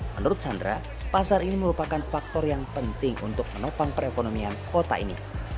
menurut sandra pasar ini merupakan faktor yang penting untuk menopang perekonomian kota ini